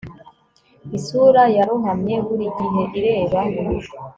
isura yarohamye burigihe ireba